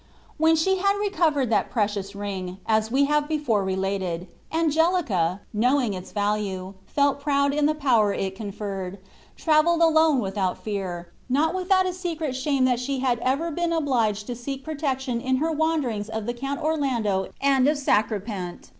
When she had recovered that precious ring, as we have before related, Angelica, knowing its value, felt proud in the power it conferred, travelled alone without fear, not without a secret shame that she had ever been obliged to seek protection in her wanderings of the Count Orlando and of Sacripant.